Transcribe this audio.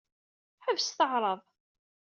Ḥebset aɛṛaḍ.